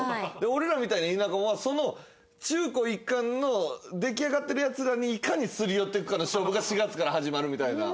俺らみたいな田舎者はその中高一貫の出来上がってるヤツらにいかにすり寄っていくかの勝負が４月から始まるみたいな。